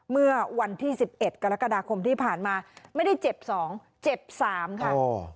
เมื่อวันที่๑๑กรกฎาคมที่ผ่านมาไม่ได้เจ็บสองเจ็บสามค่ะ